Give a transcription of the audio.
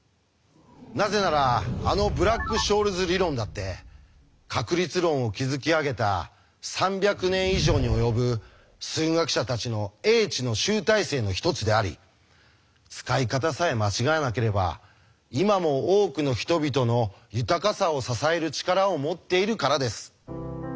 なぜならあのブラック・ショールズ理論だって確率論を築き上げた３００年以上に及ぶ数学者たちの英知の集大成の一つであり使い方さえ間違えなければ今も多くの人々の豊かさを支える力を持っているからです。